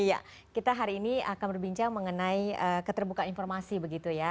iya kita hari ini akan berbincang mengenai keterbukaan informasi begitu ya